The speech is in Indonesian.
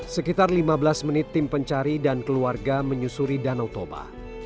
sekitar lima belas menit tim pencari dan keluarga menyusuri danau toba